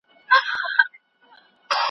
دانا